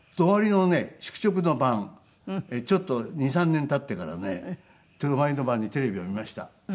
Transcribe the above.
宿直の晩ちょっと２３年経ってからね泊まりの晩にテレビを見ました。